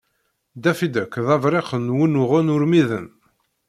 Daffy Duck d abṛik n wunuɣen urmiden.